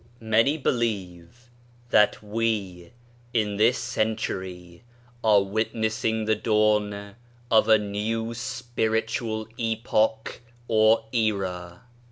"|V/fANY believe that we, in this century, are witnessing the dawn of a new spiritual epoch or era.